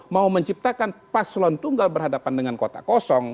mau menciptakan paslon tunggal berhadapan dengan kota kosong